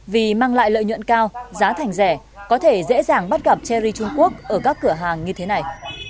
vì mang lại lợi nhuận cao giá thành rẻ có thể dễ dàng bắt gặp terry trung quốc ở các cửa hàng như thế này